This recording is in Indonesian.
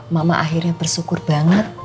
mama akhirnya bersyukur banget